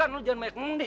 kamu jangan menggigil